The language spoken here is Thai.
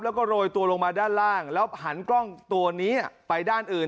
แล้วก็โรยตัวลงมาด้านล่างแล้วหันกล้องตัวนี้ไปด้านอื่น